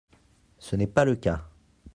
Ce n’est pas le cas.